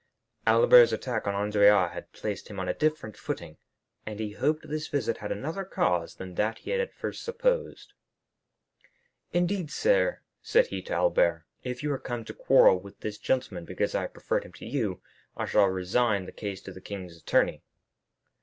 Albert's attack on Andrea had placed him on a different footing, and he hoped this visit had another cause than that he had at first supposed. "Indeed, sir," said he to Albert, "if you are come to quarrel with this gentleman because I have preferred him to you, I shall resign the case to the king's attorney."